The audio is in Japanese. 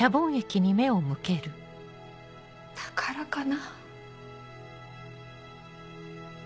だからかな。